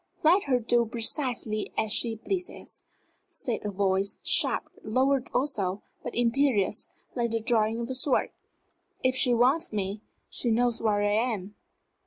"Let her do precisely as she pleases," said a voice, sharp, lowered also, but imperious, like the drawing of a sword. "If she wants me, she knows where I am."